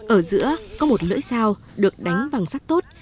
ở giữa có một lưỡi dao được đánh bằng sắt tốt